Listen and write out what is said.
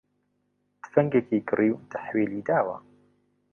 تفەنگێکی کڕی و تەحویلی داوە